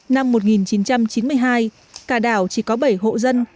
năm một nghìn chín trăm chín mươi hai cả đảo chỉ có bảy hộ dân